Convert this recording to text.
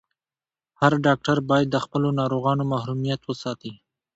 هر ډاکټر باید د خپلو ناروغانو محرميت وساتي.